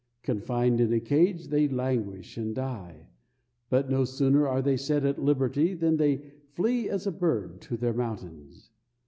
Confined in a cage, they languish and die, but no sooner are they set at liberty than they "flee as a bird" to their mountains.